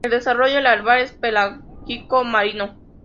El desarrollo larval es pelágico marino.